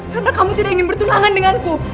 karena kamu tidak ingin bertunangan denganku